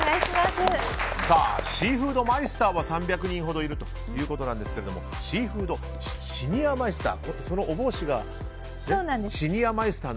シーフードマイスターは３００人ほどいるということですがシーフードシニアマイスター。